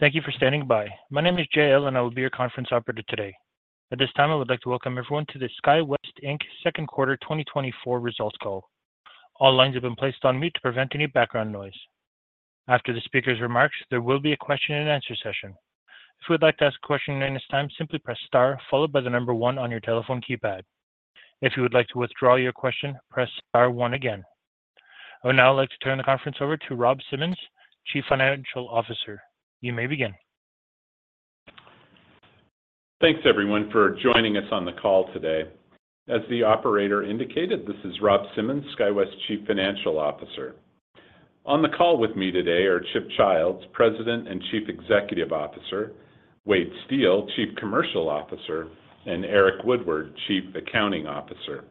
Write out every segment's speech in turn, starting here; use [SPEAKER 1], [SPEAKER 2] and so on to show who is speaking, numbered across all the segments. [SPEAKER 1] Thank you for standing by. My name is Jay L, and I will be your conference operator today. At this time, I would like to welcome everyone to the SkyWest Inc. Second Quarter 2024 Results Call. All lines have been placed on mute to prevent any background noise. After the speaker's remarks, there will be a question-and-answer session. If you would like to ask a question during this time, simply press star followed by the number one on your telephone keypad. If you would like to withdraw your question, press star one again. I would now like to turn the conference over to Rob Simmons, Chief Financial Officer. You may begin.
[SPEAKER 2] Thanks, everyone, for joining us on the call today. As the operator indicated, this is Rob Simmons, SkyWest Chief Financial Officer. On the call with me today are Chip Childs, President and Chief Executive Officer; Wade Steel, Chief Commercial Officer; and Eric Woodward, Chief Accounting Officer.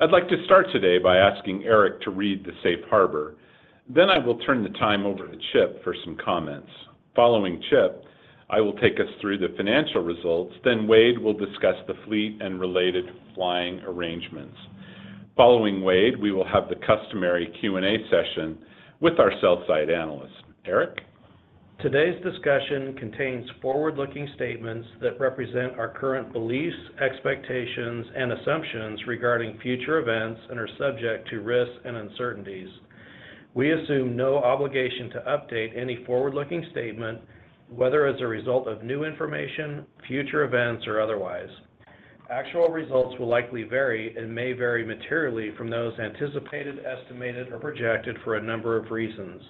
[SPEAKER 2] I'd like to start today by asking Eric to read the Safe Harbor. Then I will turn the time over to Chip for some comments. Following Chip, I will take us through the financial results, then Wade will discuss the fleet and related flying arrangements. Following Wade, we will have the customary Q&A session with our sell-side analysts. Eric?
[SPEAKER 3] Today's discussion contains forward-looking statements that represent our current beliefs, expectations, and assumptions regarding future events and are subject to risks and uncertainties. We assume no obligation to update any forward-looking statement, whether as a result of new information, future events, or otherwise. Actual results will likely vary and may vary materially from those anticipated, estimated, or projected for a number of reasons.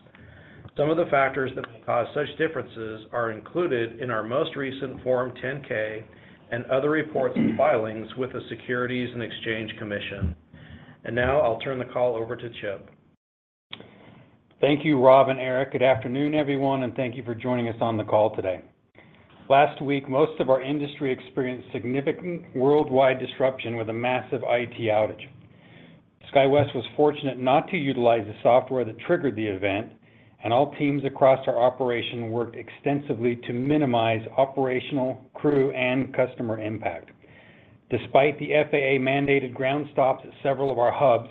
[SPEAKER 3] Some of the factors that may cause such differences are included in our most recent Form 10-K and other reports and filings with the Securities and Exchange Commission. Now I'll turn the call over to Chip.
[SPEAKER 4] Thank you, Rob and Eric. Good afternoon, everyone, and thank you for joining us on the call today. Last week, most of our industry experienced significant worldwide disruption with a massive IT outage. SkyWest was fortunate not to utilize the software that triggered the event, and all teams across our operation worked extensively to minimize operational, crew, and customer impact. Despite the FAA-mandated ground stops at several of our hubs,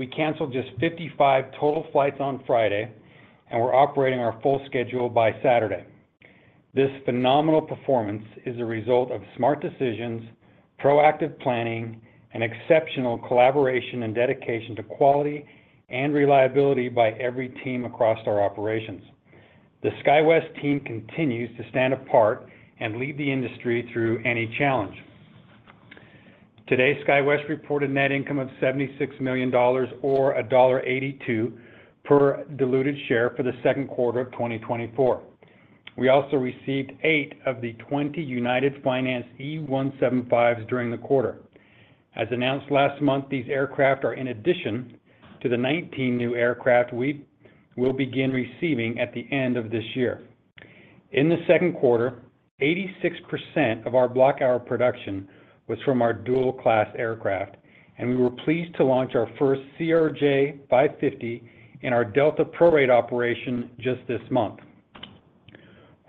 [SPEAKER 4] we canceled just 55 total flights on Friday, and were operating our full schedule by Saturday. This phenomenal performance is a result of smart decisions, proactive planning, and exceptional collaboration and dedication to quality and reliability by every team across our operations. The SkyWest team continues to stand apart and lead the industry through any challenge. Today, SkyWest reported net income of $76 million or $1.82 per diluted share for the second quarter of 2024. We also received eight of the 20 United-financed E175s during the quarter. As announced last month, these aircraft are in addition to the 19 new aircraft we will begin receiving at the end of this year. In the second quarter, 86% of our block hour production was from our dual-class aircraft, and we were pleased to launch our first CRJ550 in our Delta prorate operation just this month.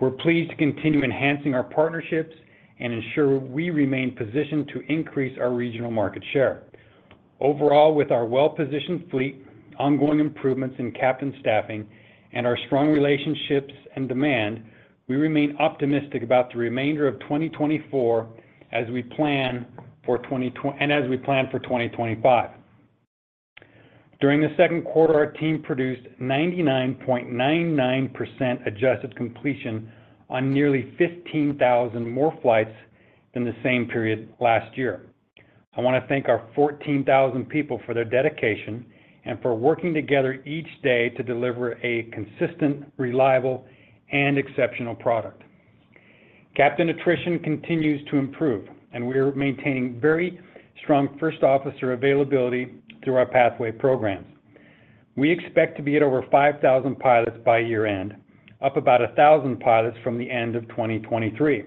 [SPEAKER 4] We're pleased to continue enhancing our partnerships and ensure we remain positioned to increase our regional market share. Overall, with our well-positioned fleet, ongoing improvements in captain staffing, and our strong relationships and demand, we remain optimistic about the remainder of 2024 as we plan for 2025. During the second quarter, our team produced 99.99% adjusted completion on nearly 15,000 more flights than the same period last year. I want to thank our 14,000 people for their dedication and for working together each day to deliver a consistent, reliable, and exceptional product. Captain attrition continues to improve, and we are maintaining very strong first officer availability through our pathway programs. We expect to be at over 5,000 pilots by year-end, up about 1,000 pilots from the end of 2023.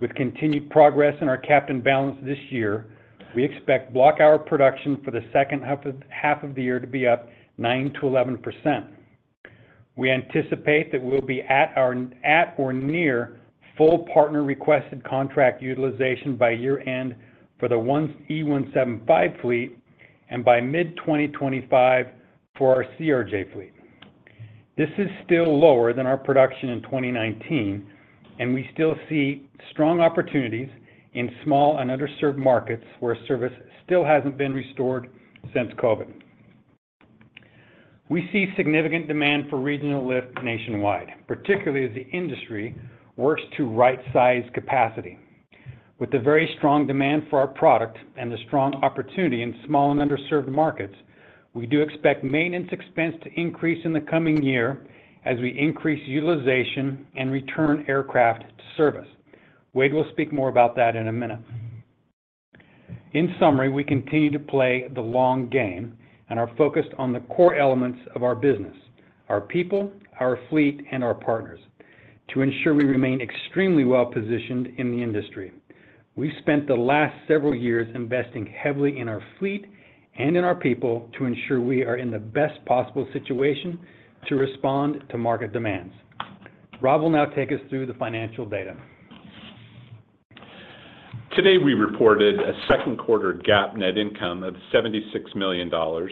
[SPEAKER 4] With continued progress in our captain balance this year, we expect block hour production for the second half of the year to be up 9%-11%. We anticipate that we'll be at or near full partner-requested contract utilization by year-end for the E175 fleet and by mid-2025 for our CRJ fleet. This is still lower than our production in 2019, and we still see strong opportunities in small and underserved markets where service still hasn't been restored since COVID. We see significant demand for regional lift nationwide, particularly as the industry works to rightsize capacity. With the very strong demand for our product and the strong opportunity in small and underserved markets, we do expect maintenance expense to increase in the coming year as we increase utilization and return aircraft to service. Wade will speak more about that in a minute. In summary, we continue to play the long game and are focused on the core elements of our business, our people, our fleet, and our partners, to ensure we remain extremely well-positioned in the industry. We've spent the last several years investing heavily in our fleet and in our people to ensure we are in the best possible situation to respond to market demands. Rob will now take us through the financial data.... Today, we reported a second quarter GAAP net income of $76 million or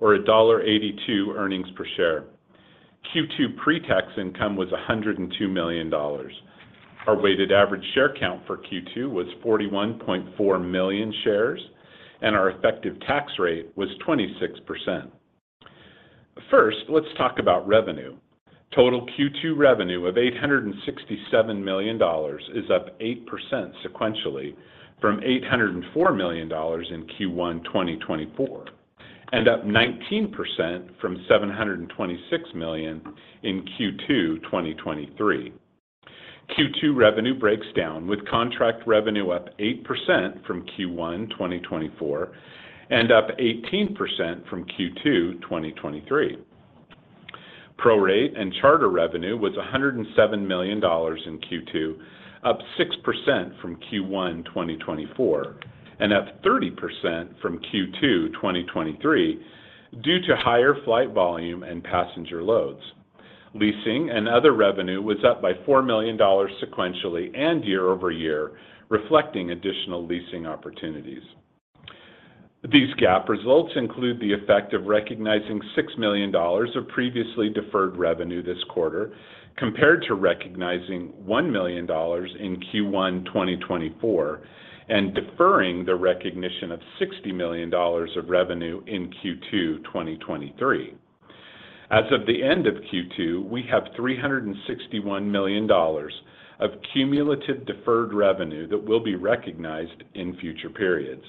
[SPEAKER 4] $1.82 earnings per share. Q2 pre-tax income was $102 million. Our weighted average share count for Q2 was 41.4 million shares, and our effective tax rate was 26%. First, let's talk about revenue. Total Q2 revenue of $867 million is up 8% sequentially from $804 million in Q1 2024, and up 19% from $726 million in Q2 2023. Q2 revenue breaks down, with contract revenue up 8% from Q1 2024 and up 18% from Q2 2023. Prorate and charter revenue was $107 million in Q2, up 6% from Q1 2024, and up 30% from Q2 2023, due to higher flight volume and passenger loads. Leasing and other revenue was up by $4 million sequentially and year-over-year, reflecting additional leasing opportunities. These GAAP results include the effect of recognizing $6 million of previously deferred revenue this quarter, compared to recognizing $1 million in Q1 2024, and deferring the recognition of $60 million of revenue in Q2 2023. As of the end of Q2, we have $361 million of cumulative deferred revenue that will be recognized in future periods.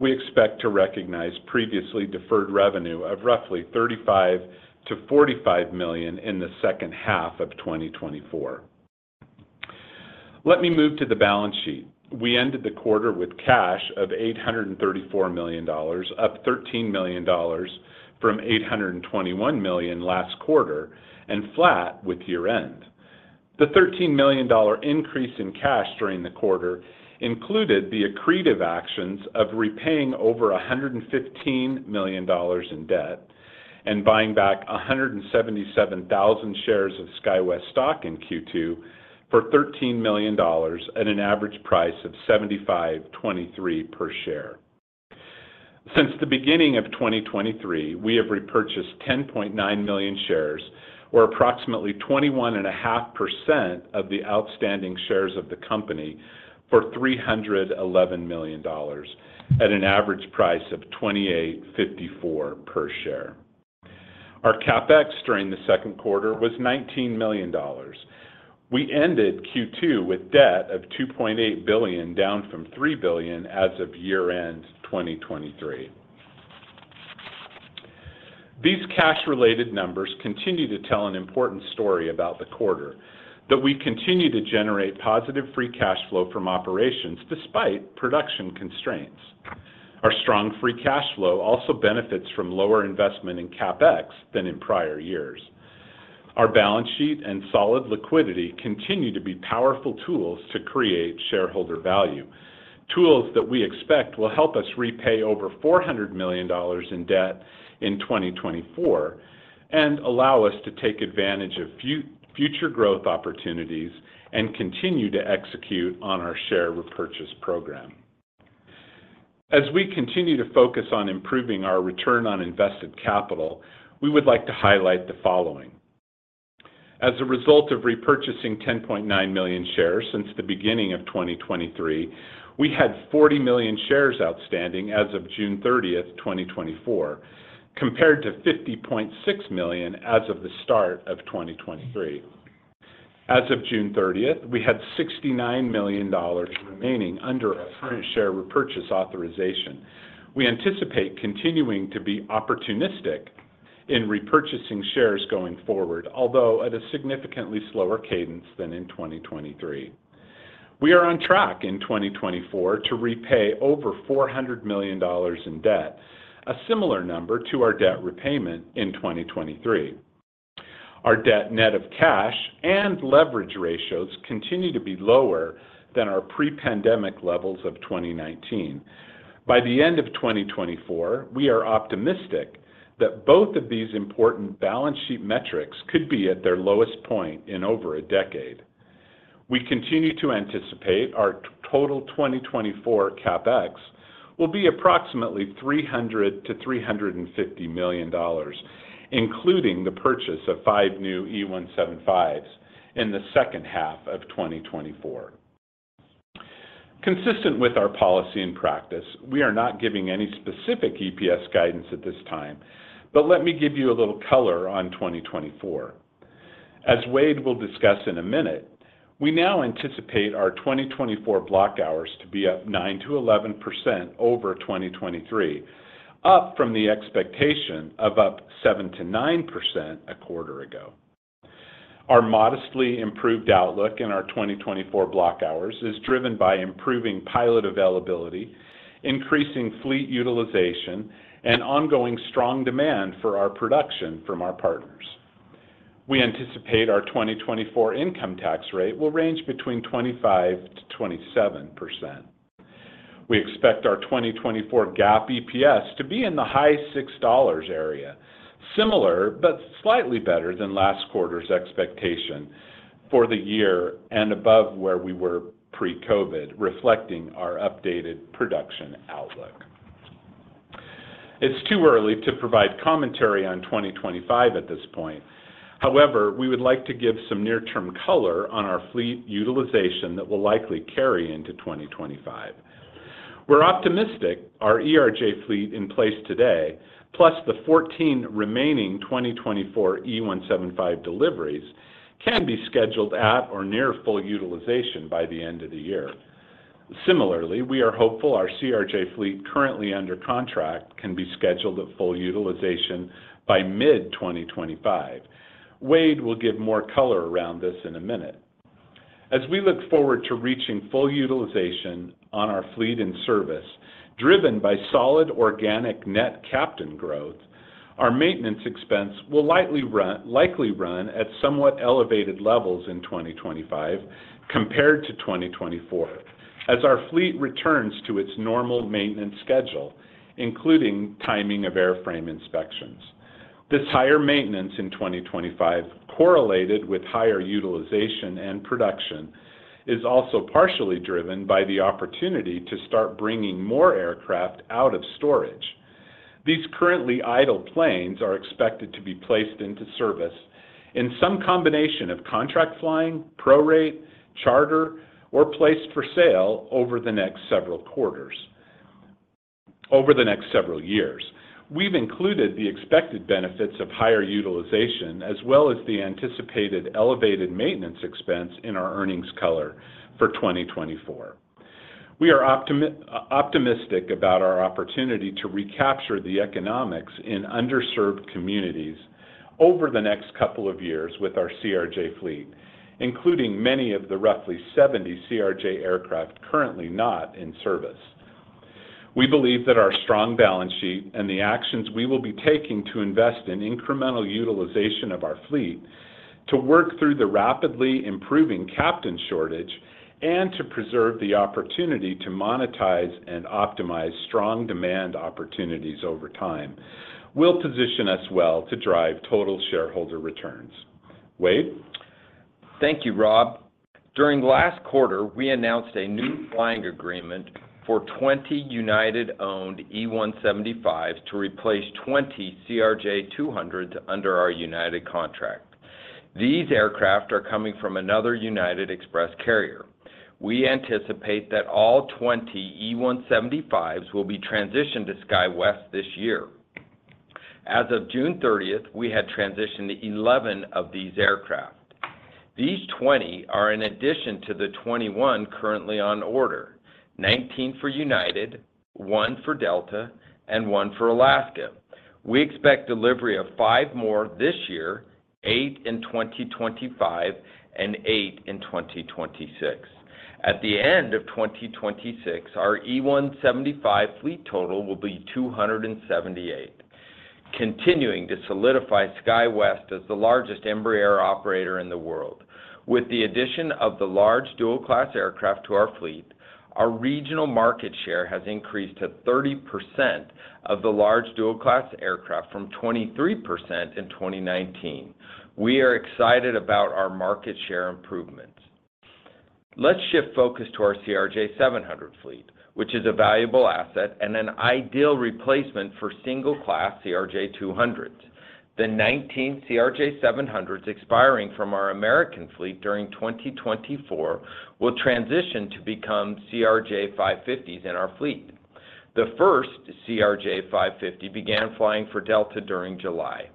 [SPEAKER 4] We expect to recognize previously deferred revenue of roughly $35 million-$45 million in the second half of 2024. Let me move to the balance sheet. We ended the quarter with cash of $834 million, up $13 million from $821 million last quarter and flat with year-end. The $13 million increase in cash during the quarter included the accretive actions of repaying over $115 million in debt and buying back 177,000 shares of SkyWest stock in Q2 for $13 million at an average price of $75.23 per share. Since the beginning of 2023, we have repurchased 10.9 million shares, or approximately 21.5% of the outstanding shares of the company, for $311 million at an average price of $28.54 per share. Our CapEx during the second quarter was $19 million. We ended Q2 with debt of $2.8 billion, down from $3 billion as of year-end 2023. These cash-related numbers continue to tell an important story about the quarter, that we continue to generate positive free cash flow from operations despite production constraints. Our strong free cash flow also benefits from lower investment in CapEx than in prior years. Our balance sheet and solid liquidity continue to be powerful tools to create shareholder value. Tools that we expect will help us repay over $400 million in debt in 2024, and allow us to take advantage of future growth opportunities and continue to execute on our share repurchase program. As we continue to focus on improving our return on invested capital, we would like to highlight the following: As a result of repurchasing 10.9 million shares since the beginning of 2023, we had 40 million shares outstanding as of June 30th, 2024, compared to 50.6 million as of the start of 2023. As of June 30th, we had $69 million remaining under our current share repurchase authorization. We anticipate continuing to be opportunistic in repurchasing shares going forward, although at a significantly slower cadence than in 2023. We are on track in 2024 to repay over $400 million in debt, a similar number to our debt repayment in 2023. Our debt net of cash and leverage ratios continue to be lower than our pre-pandemic levels of 2019. By the end of 2024, we are optimistic that both of these important balance sheet metrics could be at their lowest point in over a decade. We continue to anticipate our total 2024 CapEx will be approximately $300 million-$350 million, including the purchase of 5 new E175s in the second half of 2024. Consistent with our policy and practice, we are not giving any specific EPS guidance at this time, but let me give you a little color on 2024. As Wade will discuss in a minute, we now anticipate our 2024 block hours to be up 9%-11% over 2023, up from the expectation of up 7%-9% a quarter ago. Our modestly improved outlook in our 2024 block hours is driven by improving pilot availability, increasing fleet utilization, and ongoing strong demand for our production from our partners. We anticipate our 2024 income tax rate will range between 25%-27%. We expect our 2024 GAAP EPS to be in the high $6 area, similar but slightly better than last quarter's expectation for the year and above where we were pre-COVID, reflecting our updated production outlook. It's too early to provide commentary on 2025 at this point. However, we would like to give some near-term color on our fleet utilization that will likely carry into 2025. We're optimistic our ERJ fleet in place today, plus the 14 remaining 2024 E175 deliveries, can be scheduled at or near full utilization by the end of the year. Similarly, we are hopeful our CRJ fleet currently under contract can be scheduled at full utilization by mid-2025. Wade will give more color around this in a minute. As we look forward to reaching full utilization on our fleet and service, driven by solid organic net captain growth, our maintenance expense will likely run at somewhat elevated levels in 2025 compared to 2024, as our fleet returns to its normal maintenance schedule, including timing of airframe inspections. This higher maintenance in 2025, correlated with higher utilization and production, is also partially driven by the opportunity to start bringing more aircraft out of storage. These currently idle planes are expected to be placed into service in some combination of contract flying, prorate, charter, or placed for sale over the next several quarters, over the next several years. We've included the expected benefits of higher utilization, as well as the anticipated elevated maintenance expense in our earnings color for 2024. We are optimistic about our opportunity to recapture the economics in underserved communities over the next couple of years with our CRJ fleet, including many of the roughly 70 CRJ aircraft currently not in service. We believe that our strong balance sheet and the actions we will be taking to invest in incremental utilization of our fleet to work through the rapidly improving captain shortage, and to preserve the opportunity to monetize and optimize strong demand opportunities over time, will position us well to drive total shareholder returns. Wade?
[SPEAKER 5] Thank you, Rob. During last quarter, we announced a new flying agreement for 20 United-owned E175s to replace 20 CRJ200s under our United contract. These aircraft are coming from another United Express carrier. We anticipate that all 20 E175s will be transitioned to SkyWest this year. As of June 30, we had transitioned 11 of these aircraft. These 20 are in addition to the 21 currently on order, 19 for United, 1 for Delta, and 1 for Alaska. We expect delivery of 5 more this year, 8 in 2025, and 8 in 2026. At the end of 2026, our E175 fleet total will be 278, continuing to solidify SkyWest as the largest Embraer operator in the world. With the addition of the large dual-class aircraft to our fleet, our regional market share has increased to 30% of the large dual-class aircraft from 23% in 2019. We are excited about our market share improvements. Let's shift focus to our CRJ700 fleet, which is a valuable asset and an ideal replacement for single-class CRJ200s. The 19 CRJ700s expiring from our American fleet during 2024 will transition to become CRJ550s in our fleet. The first CRJ550 began flying for Delta during July.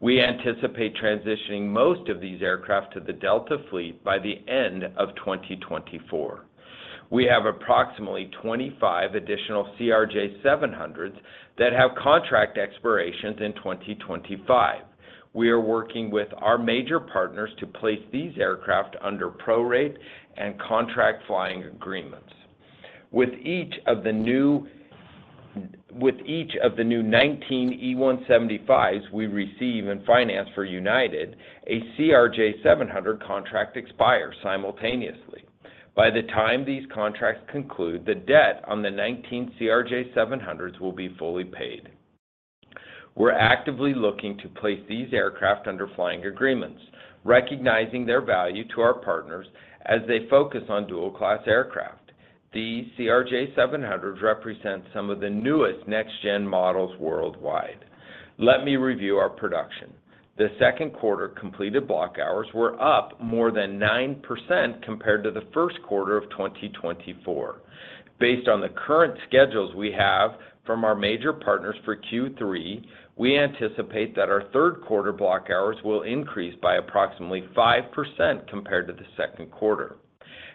[SPEAKER 5] We anticipate transitioning most of these aircraft to the Delta fleet by the end of 2024. We have approximately 25 additional CRJ700s that have contract expirations in 2025. We are working with our major partners to place these aircraft under prorate and contract flying agreements. With each of the new 19 E175s we receive in finance for United, a CRJ700 contract expires simultaneously. By the time these contracts conclude, the debt on the 19 CRJ700s will be fully paid. We're actively looking to place these aircraft under flying agreements, recognizing their value to our partners as they focus on dual-class aircraft. The CRJ700s represent some of the newest next-gen models worldwide. Let me review our production. The second quarter completed block hours were up more than 9% compared to the first quarter of 2024. Based on the current schedules we have from our major partners for Q3, we anticipate that our third quarter block hours will increase by approximately 5% compared to the second quarter.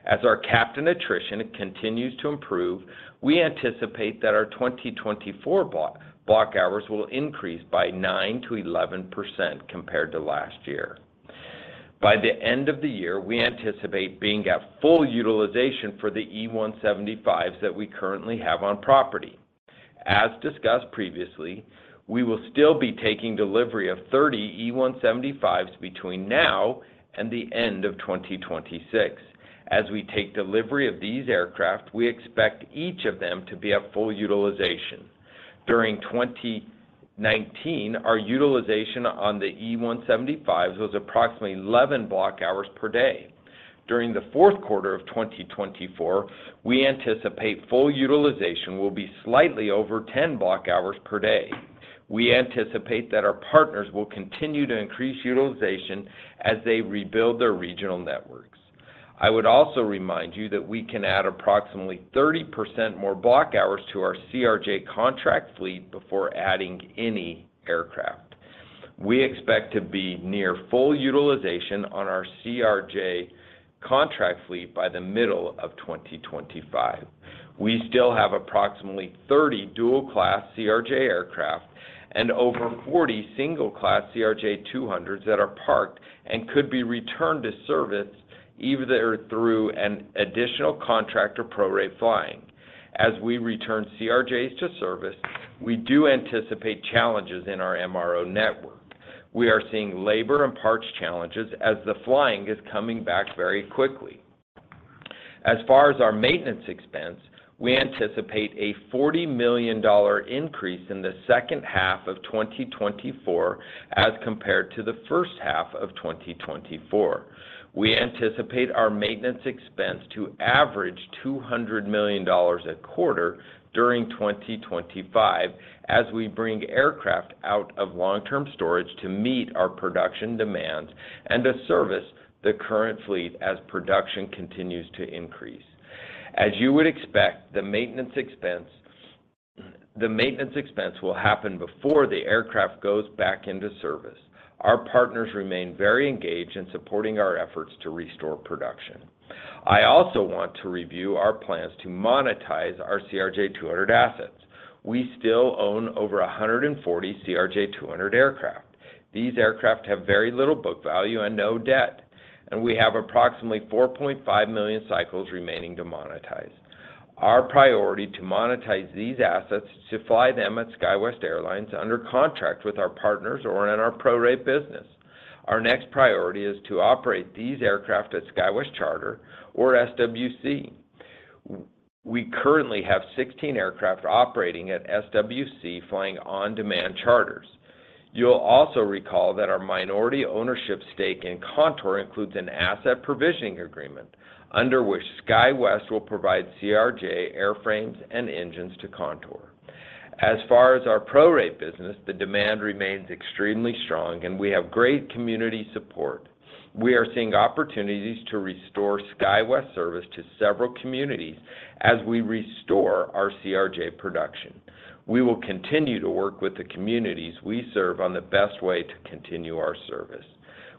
[SPEAKER 5] As our captain attrition continues to improve, we anticipate that our 2024 block hours will increase by 9%-11% compared to last year. By the end of the year, we anticipate being at full utilization for the E175s that we currently have on property… As discussed previously, we will still be taking delivery of 30 E175s between now and the end of 2026. As we take delivery of these aircraft, we expect each of them to be at full utilization. During 2019, our utilization on the E175s was approximately 11 block hours per day. During the fourth quarter of 2024, we anticipate full utilization will be slightly over 10 block hours per day. We anticipate that our partners will continue to increase utilization as they rebuild their regional networks. I would also remind you that we can add approximately 30% more block hours to our CRJ contract fleet before adding any aircraft. We expect to be near full utilization on our CRJ contract fleet by the middle of 2025. We still have approximately 30 dual-class CRJ aircraft and over 40 single-class CRJ200s that are parked and could be returned to service, either through an additional contract or prorate flying. As we return CRJs to service, we do anticipate challenges in our MRO network. We are seeing labor and parts challenges as the flying is coming back very quickly. As far as our maintenance expense, we anticipate a $40 million increase in the second half of 2024, as compared to the first half of 2024. We anticipate our maintenance expense to average $200 million a quarter during 2025, as we bring aircraft out of long-term storage to meet our production demands and to service the current fleet as production continues to increase. As you would expect, the maintenance expense, the maintenance expense will happen before the aircraft goes back into service. Our partners remain very engaged in supporting our efforts to restore production. I also want to review our plans to monetize our CRJ200 assets. We still own over 140 CRJ200 aircraft. These aircraft have very little book value and no debt, and we have approximately 4.5 million cycles remaining to monetize. Our priority to monetize these assets is to fly them at SkyWest Airlines under contract with our partners or in our prorate business. Our next priority is to operate these aircraft at SkyWest Charter or SWC. We currently have 16 aircraft operating at SWC, flying on-demand charters. You'll also recall that our minority ownership stake in Contour includes an asset provisioning agreement, under which SkyWest will provide CRJ airframes and engines to Contour. As far as our prorate business, the demand remains extremely strong, and we have great community support. We are seeing opportunities to restore SkyWest service to several communities as we restore our CRJ production. We will continue to work with the communities we serve on the best way to continue our service.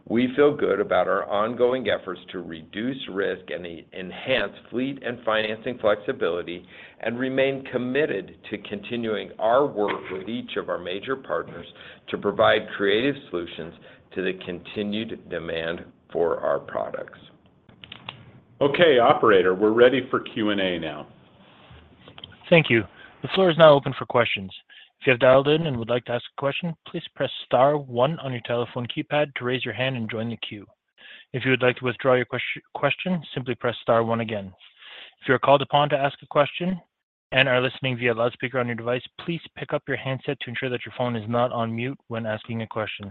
[SPEAKER 5] We feel good about our ongoing efforts to reduce risk and enhance fleet and financing flexibility, and remain committed to continuing our work with each of our major partners to provide creative solutions to the continued demand for our products. Okay, operator, we're ready for Q&A now.
[SPEAKER 1] Thank you. The floor is now open for questions. If you have dialed in and would like to ask a question, please press star one on your telephone keypad to raise your hand and join the queue. If you would like to withdraw your question, simply press star one again. If you are called upon to ask a question and are listening via loudspeaker on your device, please pick up your handset to ensure that your phone is not on mute when asking a question.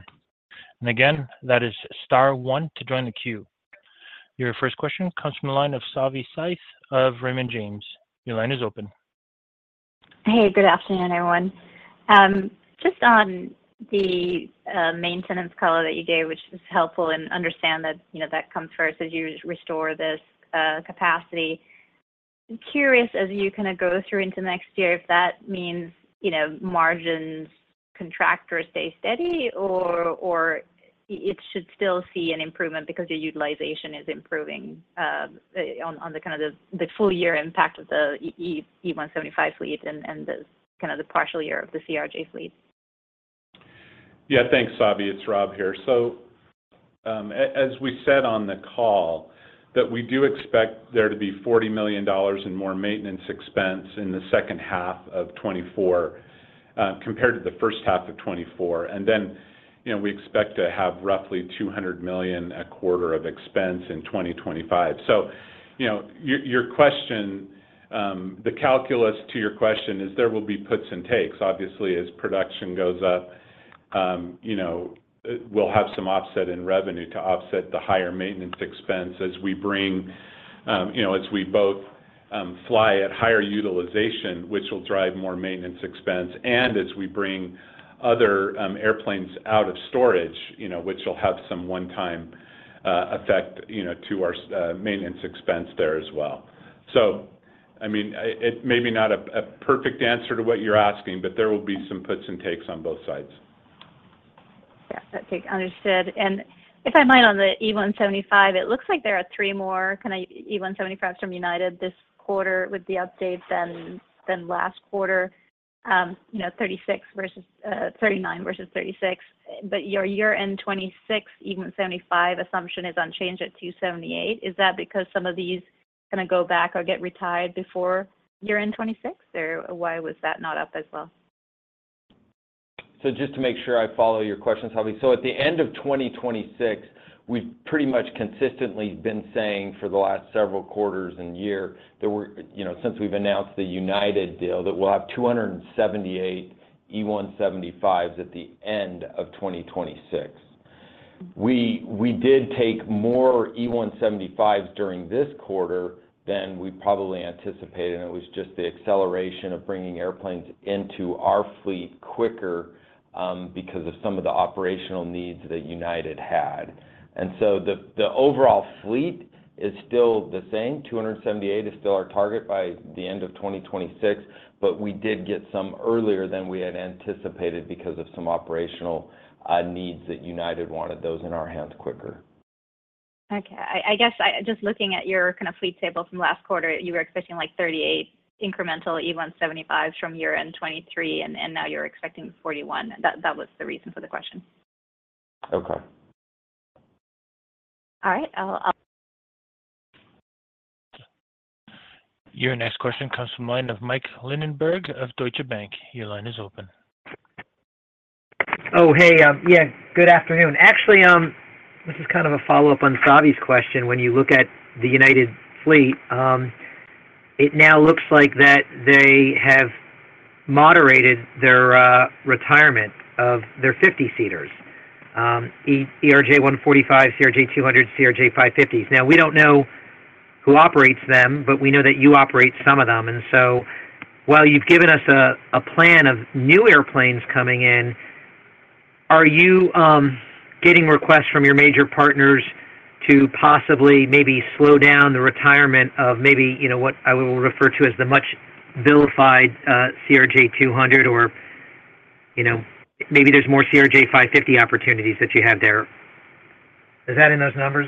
[SPEAKER 1] Again, that is star one to join the queue. Your first question comes from the line of Savi Syth of Raymond James. Your line is open.
[SPEAKER 6] Hey, good afternoon, everyone. Just on the maintenance call that you gave, which is helpful, and understand that, you know, that comes first as you restore this capacity. I'm curious, as you kind of go through into next year, if that means, you know, margins contract or stay steady, or it should still see an improvement because your utilization is improving, on the kind of the full year impact of the E175 fleet and the kind of the partial year of the CRJ fleet? Yeah, thanks, Savi. It's Rob here. So, as we said on the call, that we do expect there to be $40 million in more maintenance expense in the second half of 2024, compared to the first half of 2024. And then, you know, we expect to have roughly $200 million a quarter of expense in 2025. So, you know, your, your question, the calculus to your question is there will be puts and takes. Obviously, as production goes up, you know, we'll have some offset in revenue to offset the higher maintenance expense as we bring, you know, as we both fly at higher utilization, which will drive more maintenance expense, and as we bring other airplanes out of storage, you know, which will have some one-time effect, you know, to our maintenance expense there as well. I mean, it may be not a perfect answer to what you're asking, but there will be some puts and takes on both sides. Yeah, that's understood. And if I might, on the E175, it looks like there are 3 more kind of E175 from United this quarter with the update than last quarter. You know, 36 versus 39 versus 36. But your year-end 2026 E175 assumption is unchanged at 278. Is that because some of these going to go back or get retired before year-end 2026? Or why was that not up as well?... So just to make sure I follow your question, Savi. So at the end of 2026, we've pretty much consistently been saying for the last several quarters and year that we're, you know, since we've announced the United deal, that we'll have 278 E175s at the end of 2026. We did take more E175s during this quarter than we probably anticipated, and it was just the acceleration of bringing airplanes into our fleet quicker because of some of the operational needs that United had. And so the overall fleet is still the same, 278 is still our target by the end of 2026, but we did get some earlier than we had anticipated because of some operational needs that United wanted those in our hands quicker. Okay. I guess just looking at your kind of fleet tables from last quarter, you were expecting, like, 38 incremental E175s from year-end 2023, and now you're expecting 41. That was the reason for the question. Okay. All right. I'll-
[SPEAKER 1] Your next question comes from line of Mike Linenberg of Deutsche Bank. Your line is open.
[SPEAKER 7] Good afternoon. Actually, this is kind of a follow-up on Savi's question. When you look at the United fleet, it now looks like that they have moderated their retirement of their 50-seaters, ERJ145, CRJ200, CRJ 50-seaters. Now, we don't know who operates them, but we know that you operate some of them. And so while you've given us a plan of new airplanes coming in, are you getting requests from your major partners to possibly maybe slow down the retirement of maybe, you know, what I will refer to as the much vilified CRJ200? Or, you know, maybe there's more CRJ 550 opportunities that you have there. Is that in those numbers?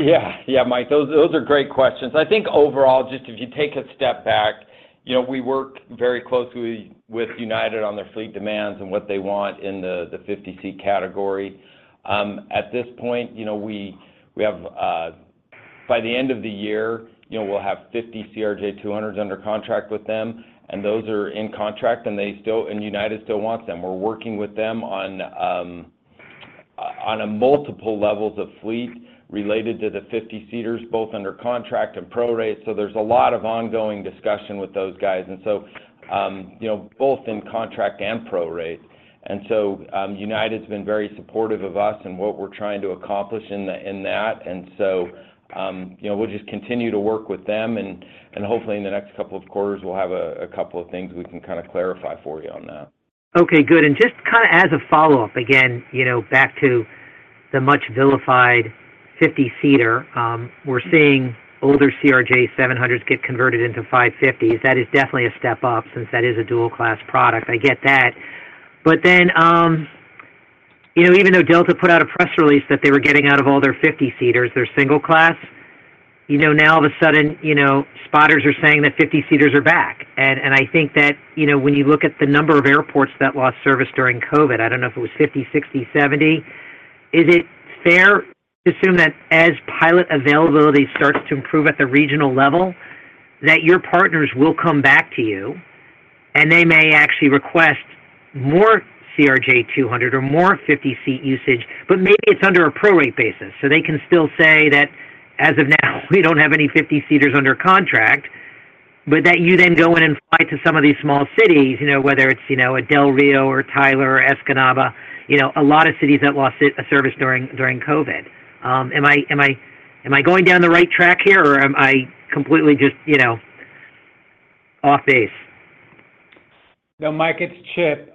[SPEAKER 5] Yeah. Yeah, Mike, those are great questions. I think overall, just if you take a step back, you know, we work very closely with United on their fleet demands and what they want in the 50-seat category. At this point, you know, we have by the end of the year, you know, we'll have 50 CRJ200s under contract with them, and those are in contract, and they still want them, and United still wants them. We're working with them on multiple levels of fleet related to the 50-seaters, both under contract and prorate. So there's a lot of ongoing discussion with those guys, and so, you know, both in contract and prorate. United's been very supportive of us and what we're trying to accomplish in that, and so, you know, we'll just continue to work with them, and hopefully, in the next couple of quarters, we'll have a couple of things we can kind of clarify for you on that.
[SPEAKER 7] Okay, good. And just kind of as a follow-up, again, you know, back to the much vilified 50-seater, we're seeing older CRJ700s get converted into 550s. That is definitely a step up since that is a dual-class product. I get that. But then, you know, even though Delta put out a press release that they were getting out of all their 50-seaters, their single-class, you know, now all of a sudden, you know, spotters are saying that 50-seaters are back. I think that, you know, when you look at the number of airports that lost service during COVID, I don't know if it was 50, 60, 70, is it fair to assume that as pilot availability starts to improve at the regional level, that your partners will come back to you, and they may actually request more CRJ200 or more 50-seat usage, but maybe it's under a prorate basis? So they can still say that, as of now, we don't have any 50-seaters under contract, but that you then go in and fly to some of these small cities, you know, whether it's, you know, a Del Rio or Tyler or Escanaba, you know, a lot of cities that lost service during COVID. Am I going down the right track here, or am I completely just, you know, off base?
[SPEAKER 4] No, Mike, it's Chip.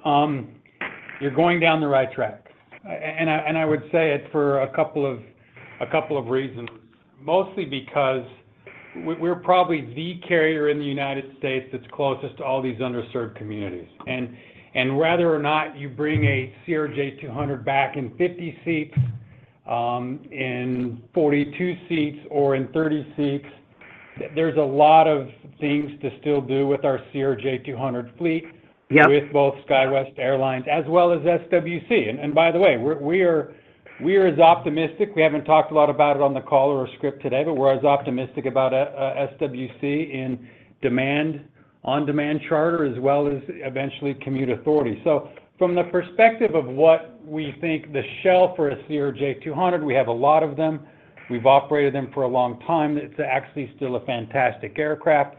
[SPEAKER 4] You're going down the right track. And I would say it for a couple of reasons, mostly because we're probably the carrier in the United States that's closest to all these underserved communities. And whether or not you bring a CRJ200 back in 50 seats, in 42 seats, or in 30 seats, there's a lot of things to still do with our CRJ200 fleet.
[SPEAKER 7] Yep...
[SPEAKER 4] with both SkyWest Airlines as well as SWC. And by the way, we are as optimistic. We haven't talked a lot about it on the call or script today, but we're as optimistic about SWC in demand, on-demand charter, as well as eventually commuter authority. So from the perspective of what we think the shelf for a CRJ200, we have a lot of them. We've operated them for a long time. It's actually still a fantastic aircraft.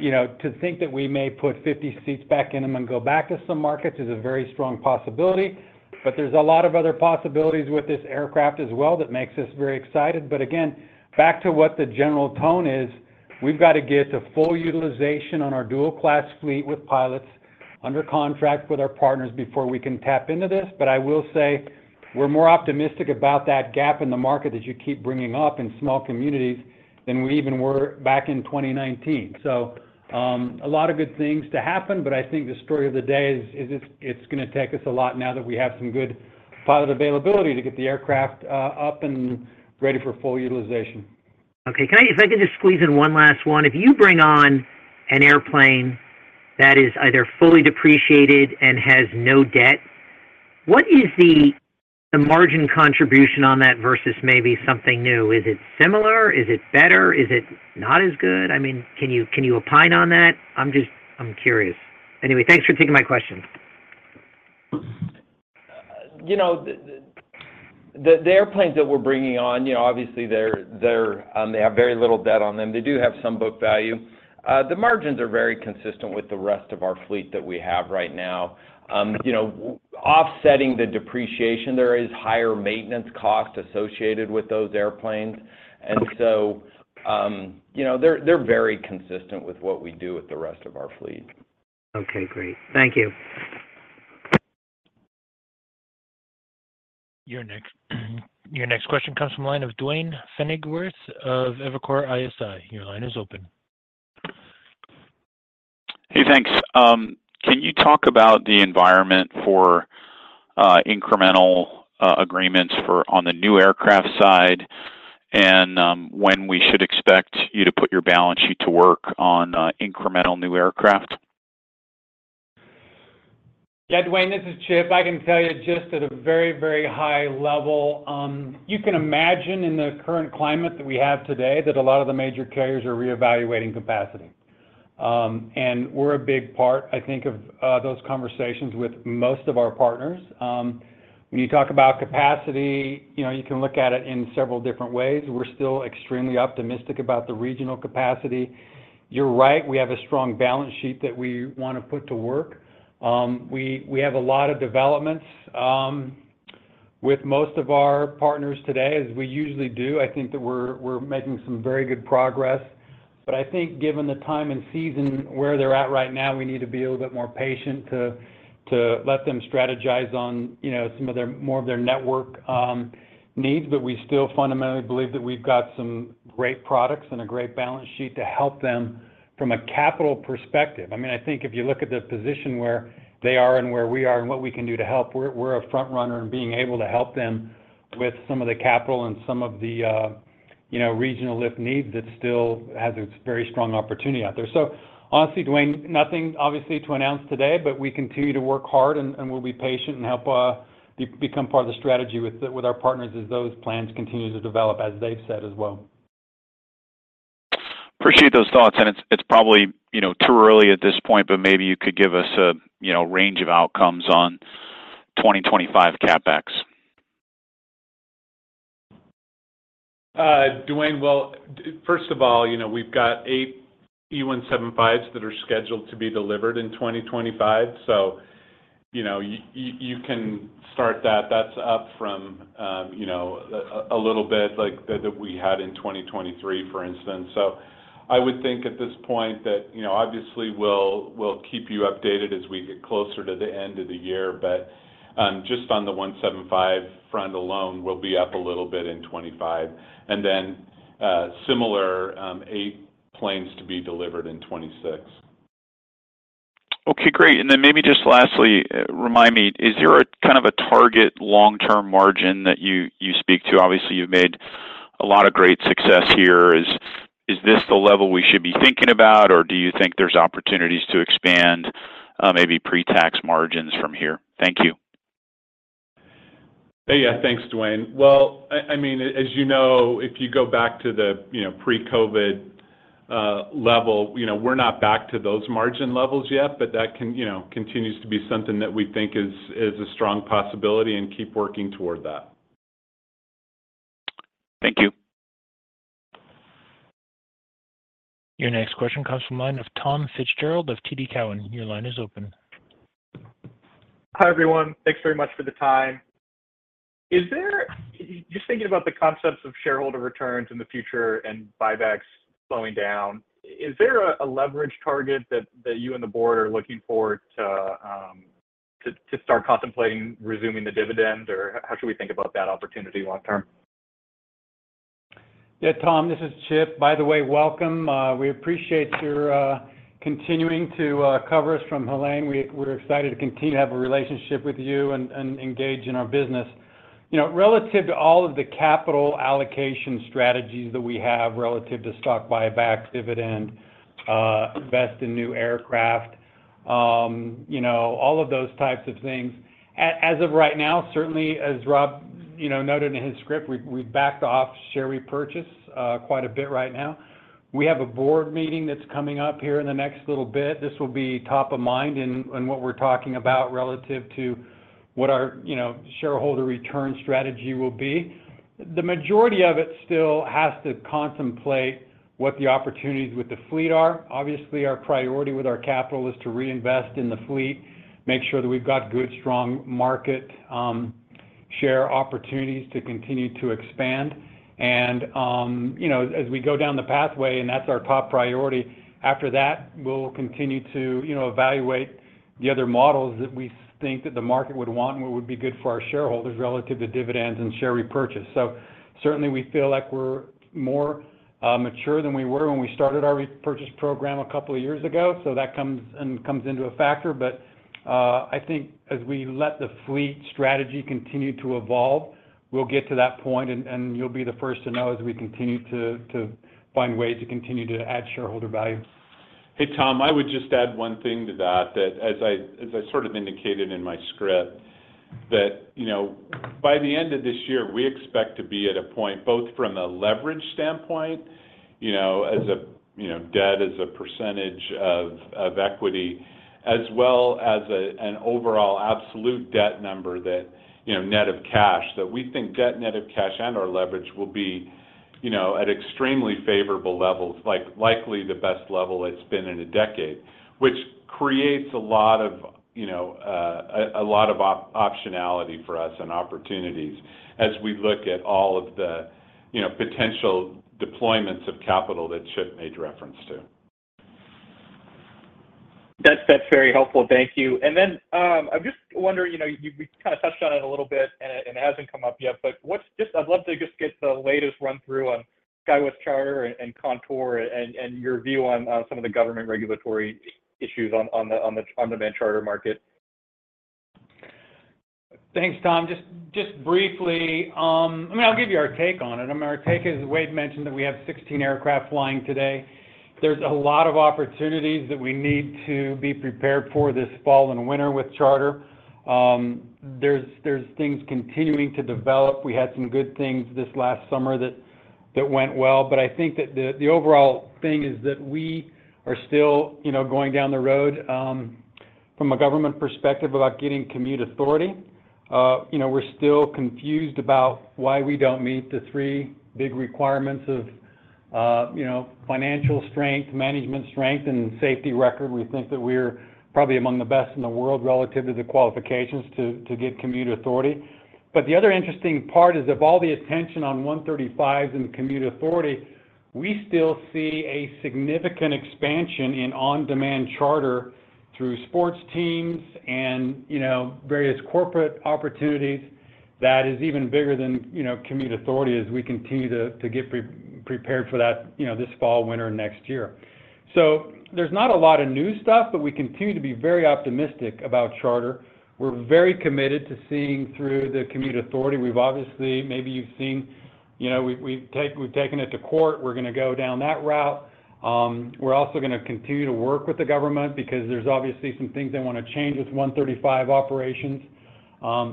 [SPEAKER 4] You know, to think that we may put 50 seats back in them and go back to some markets is a very strong possibility, but there's a lot of other possibilities with this aircraft as well that makes us very excited. But again, back to what the general tone is, we've got to get to full utilization on our dual class fleet with pilots under contract with our partners before we can tap into this. But I will say, we're more optimistic about that gap in the market that you keep bringing up in small communities than we even were back in 2019. So, a lot of good things to happen, but I think the story of the day is, it's gonna take us a lot now that we have some good pilot availability to get the aircraft up and ready for full utilization.
[SPEAKER 7] Okay, if I could just squeeze in one last one. If you bring on an airplane that is either fully depreciated and has no debt-... What is the margin contribution on that versus maybe something new? Is it similar? Is it better? Is it not as good? I mean, can you opine on that? I'm just, I'm curious. Anyway, thanks for taking my question.
[SPEAKER 2] You know, the airplanes that we're bringing on, you know, obviously, they have very little debt on them. They do have some book value. The margins are very consistent with the rest of our fleet that we have right now. You know, with offsetting the depreciation, there is higher maintenance costs associated with those airplanes. And so, you know, they're very consistent with what we do with the rest of our fleet.
[SPEAKER 7] Okay, great. Thank you.
[SPEAKER 1] Your next question comes from the line of Duane Pfennigwerth of Evercore ISI. Your line is open.
[SPEAKER 8] Hey, thanks. Can you talk about the environment for incremental agreements for on the new aircraft side, and when we should expect you to put your balance sheet to work on incremental new aircraft?
[SPEAKER 4] Yeah, Duane, this is Chip. I can tell you just at a very, very high level, you can imagine in the current climate that we have today, that a lot of the major carriers are reevaluating capacity. And we're a big part, I think, of those conversations with most of our partners. When you talk about capacity, you know, you can look at it in several different ways. We're still extremely optimistic about the regional capacity. You're right, we have a strong balance sheet that we want to put to work. We have a lot of developments with most of our partners today, as we usually do. I think that we're making some very good progress. But I think given the time and season where they're at right now, we need to be a little bit more patient to let them strategize on, you know, some of their more of their network needs. But we still fundamentally believe that we've got some great products and a great balance sheet to help them from a capital perspective. I mean, I think if you look at the position where they are and where we are, and what we can do to help, we're a front runner in being able to help them with some of the capital and some of the, you know, regional lift needs that still has a very strong opportunity out there. So honestly, Duane, nothing obviously to announce today, but we continue to work hard, and we'll be patient and help become part of the strategy with our partners as those plans continue to develop, as they've said as well.
[SPEAKER 8] Appreciate those thoughts, and it's probably, you know, too early at this point, but maybe you could give us a, you know, range of outcomes on 2025 CapEx.
[SPEAKER 2] Duane, well, first of all, you know, we've got 8 E175s that are scheduled to be delivered in 2025. So, you know, you can start that. That's up from, you know, a little bit like that, that we had in 2023, for instance. So I would think at this point that, you know, obviously, we'll keep you updated as we get closer to the end of the year. But, just on the E175 front alone, we'll be up a little bit in 2025, and then, similar, 8 planes to be delivered in 2026.
[SPEAKER 8] Okay, great. And then maybe just lastly, remind me, is there a kind of a target long-term margin that you speak to? Obviously, you've made a lot of great success here. Is this the level we should be thinking about, or do you think there's opportunities to expand, maybe pre-tax margins from here? Thank you.
[SPEAKER 2] Hey, yeah, thanks, Duane. Well, I mean, as you know, if you go back to the, you know, pre-COVID level, you know, we're not back to those margin levels yet, but that can, you know, continues to be something that we think is a strong possibility and keep working toward that.
[SPEAKER 8] Thank you.
[SPEAKER 1] Your next question comes from line of Tom Fitzgerald of TD Cowen. Your line is open.
[SPEAKER 9] Hi, everyone. Thanks very much for the time. Is there – yeah, just thinking about the concepts of shareholder returns in the future and buybacks slowing down, is there a leverage target that you and the board are looking for to to start contemplating resuming the dividend, or how should we think about that opportunity long term?
[SPEAKER 4] Yeah, Tom, this is Chip. By the way, welcome. We appreciate your continuing to cover us from Helane. We're excited to continue to have a relationship with you and engage in our business. You know, relative to all of the capital allocation strategies that we have relative to stock buybacks, dividend, invest in new aircraft, you know, all of those types of things, as of right now, certainly as Rob, you know, noted in his script, we've backed off share repurchase quite a bit right now. We have a board meeting that's coming up here in the next little bit. This will be top of mind in what we're talking about relative to what our, you know, shareholder return strategy will be. The majority of it still has to contemplate what the opportunities with the fleet are. Obviously, our priority with our capital is to reinvest in the fleet, make sure that we've got good, strong market share opportunities to continue to expand. And you know, as we go down the pathway, and that's our top priority, after that, we'll continue to you know, evaluate the other models that we think that the market would want and what would be good for our shareholders relative to dividends and share repurchase. So certainly, we feel like we're more mature than we were when we started our repurchase program a couple of years ago. So that comes into a factor. But I think as we let the fleet strategy continue to evolve, we'll get to that point, and you'll be the first to know as we continue to find ways to continue to add shareholder value.
[SPEAKER 5] Hey, Tom, I would just add one thing to that, that as I sort of indicated in my script, that, you know, by the end of this year, we expect to be at a point, both from a leverage standpoint, you know, as a debt as a percentage of equity, as well as an overall absolute debt number that, you know, net of cash, that we think debt net of cash and our leverage will be, you know, at extremely favorable levels, like, likely the best level it's been in a decade. Which creates a lot of, you know, a lot of optionality for us and opportunities as we look at all of the, you know, potential deployments of capital that Chip made reference to.
[SPEAKER 9] That's, that's very helpful. Thank you. And then, I'm just wondering, you know, we kind of touched on it a little bit, and it hasn't come up yet, but what's just—I'd love to just get the latest run through on SkyWest Charter and Contour and your view on some of the government regulatory issues on the on-demand charter market.
[SPEAKER 4] Thanks, Tom. Just briefly, I mean, I'll give you our take on it. I mean, our take is, Wade mentioned that we have 16 aircraft flying today. There's a lot of opportunities that we need to be prepared for this fall and winter with charter. There's things continuing to develop. We had some good things this last summer that went well, but I think that the overall thing is that we are still, you know, going down the road from a government perspective about getting commute authority. You know, we're still confused about why we don't meet the three big requirements of, you know, financial strength, management strength, and safety record. We think that we're probably among the best in the world relative to the qualifications to get commute authority. But the other interesting part is, of all the attention on 135s and commute authority, we still see a significant expansion in on-demand charter through sports teams and, you know, various corporate opportunities that is even bigger than, you know, commute authority as we continue to get pre-prepared for that, you know, this fall, winter, next year. So there's not a lot of new stuff, but we continue to be very optimistic about charter. We're very committed to seeing through the commute authority. We've obviously, maybe you've seen, you know, we've taken it to court. We're going to go down that route. We're also going to continue to work with the government because there's obviously some things they want to change with 135 operations.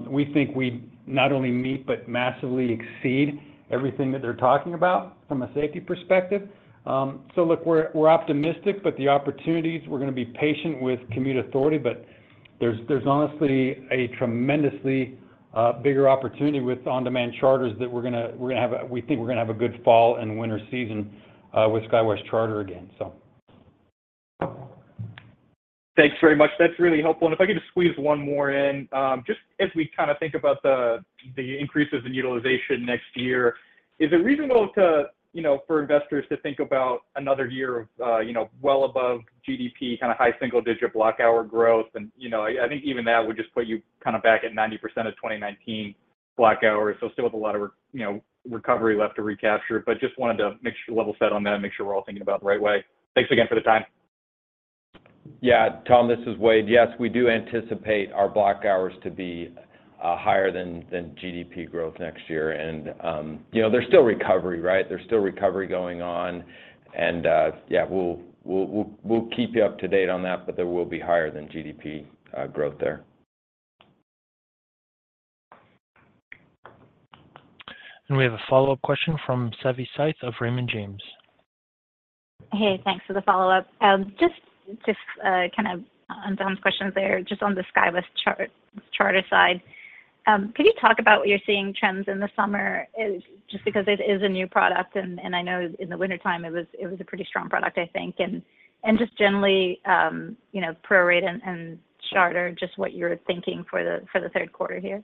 [SPEAKER 4] We think we not only meet, but massively exceed everything that they're talking about from a safety perspective. So look, we're optimistic, but the opportunities, we're going to be patient with commute authority, but there's honestly a tremendously bigger opportunity with on-demand charters that we think we're going to have a good fall and winter season with SkyWest Charter again, so.
[SPEAKER 9] Thanks very much. That's really helpful. And if I could just squeeze one more in. Just as we kind of think about the increases in utilization next year, is it reasonable to, you know, for investors to think about another year of, you know, well above GDP, kind of high single digit block hour growth? And, you know, I, I think even that would just put you kind of back at 90% of 2019 block hours. So still with a lot of, you know, recovery left to recapture, but just wanted to make sure level set on that and make sure we're all thinking about the right way. Thanks again for the time.
[SPEAKER 5] Yeah. Tom, this is Wade. Yes, we do anticipate our block hours to be higher than GDP growth next year. And, you know, there's still recovery, right? There's still recovery going on, and, yeah, we'll keep you up to date on that, but there will be higher than GDP growth there.
[SPEAKER 1] We have a follow-up question from Savi Syth of Raymond James.
[SPEAKER 6] Hey, thanks for the follow-up. Just, just kind of on Tom's questions there, just on the SkyWest Charter, Charter side, could you talk about what you're seeing trends in the summer is just because it is a new product, and, and I know in the wintertime, it was, it was a pretty strong product, I think. And, and just generally, you know, prorate and, and charter, just what you're thinking for the, for the third quarter here?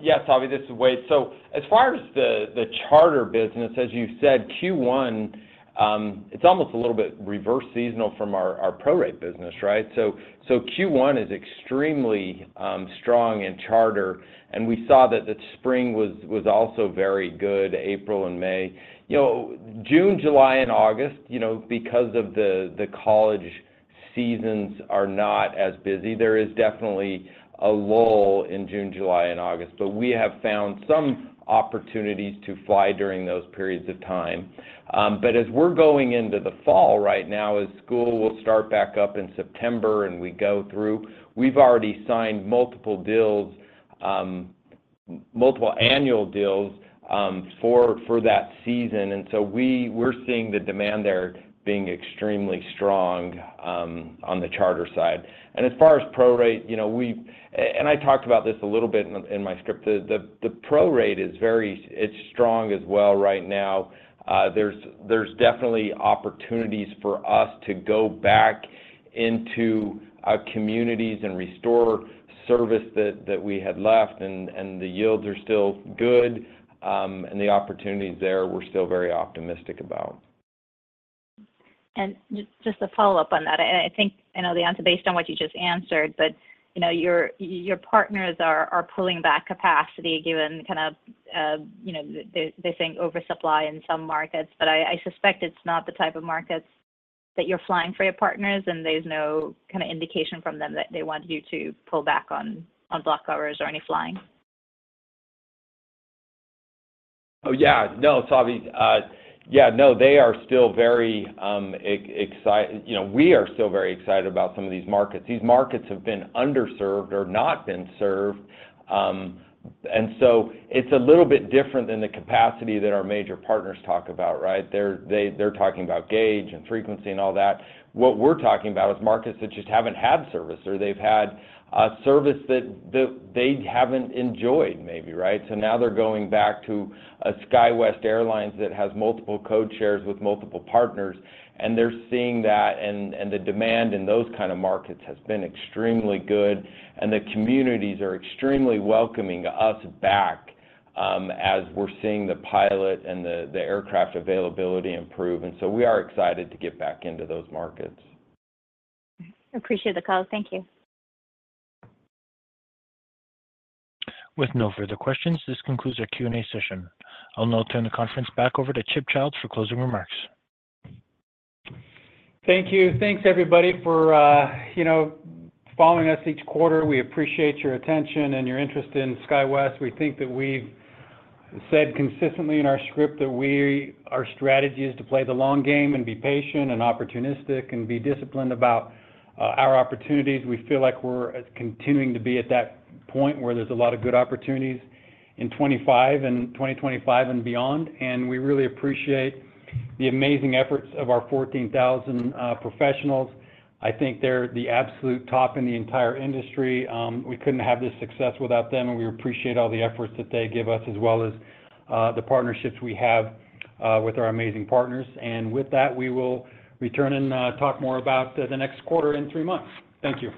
[SPEAKER 5] Yeah, Savi, this is Wade. So as far as the charter business, as you said, Q1, it's almost a little bit reverse seasonal from our prorate business, right? So Q1 is extremely strong in charter, and we saw that the spring was also very good, April and May. You know, June, July, and August, you know, because of the college seasons are not as busy, there is definitely a lull in June, July, and August. But we have found some opportunities to fly during those periods of time. But as we're going into the fall right now, as school will start back up in September, and we go through, we've already signed multiple deals, multiple annual deals, for that season. And so we're seeing the demand there being extremely strong on the charter side. And as far as prorate, you know, and I talked about this a little bit in my script. The prorate is very, it's strong as well right now. There's definitely opportunities for us to go back into communities and restore service that we had left, and the yields are still good, and the opportunities there, we're still very optimistic about.
[SPEAKER 6] Just to follow up on that, I, I think I know the answer based on what you just answered, but, you know, your, your partners are, are pulling back capacity given kind of, you know, the, the, they're seeing oversupply in some markets. But I, I suspect it's not the type of markets that you're flying for your partners, and there's no kind of indication from them that they want you to pull back on, on block hours or any flying?...
[SPEAKER 5] Oh, yeah. No, Savi, yeah, no, they are still very excited. You know, we are still very excited about some of these markets. These markets have been underserved or not been served, and so it's a little bit different than the capacity that our major partners talk about, right? They're talking about gauge and frequency and all that. What we're talking about is markets that just haven't had service, or they've had a service that they haven't enjoyed maybe, right? So now they're going back to a SkyWest Airlines that has multiple code shares with multiple partners, and they're seeing that, and the demand in those kind of markets has been extremely good, and the communities are extremely welcoming us back, as we're seeing the pilot and the aircraft availability improve, and so we are excited to get back into those markets.
[SPEAKER 6] Appreciate the call. Thank you.
[SPEAKER 1] With no further questions, this concludes our Q&A session. I'll now turn the conference back over to Chip Childs for closing remarks.
[SPEAKER 2] Thank you. Thanks, everybody, for, you know, following us each quarter. We appreciate your attention and your interest in SkyWest. We think that we've said consistently in our script that our strategy is to play the long game and be patient and opportunistic and be disciplined about our opportunities. We feel like we're continuing to be at that point where there's a lot of good opportunities in 25, in 2025 and beyond. And we really appreciate the amazing efforts of our 14,000 professionals. I think they're the absolute top in the entire industry. We couldn't have this success without them, and we appreciate all the efforts that they give us, as well as the partnerships we have with our amazing partners. And with that, we will return and talk more about the next quarter in three months. Thank you.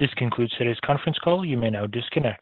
[SPEAKER 1] This concludes today's conference call. You may now disconnect.